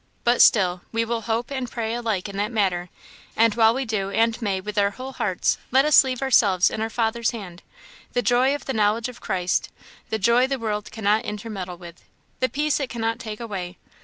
"But, still, we will hope and pray alike in that matter; and while we do, and may, with our whole hearts, let us leave ourselves in our Father's hand. The joy of the knowledge of Christ the joy the world cannot intermeddle with, the peace it cannot take away!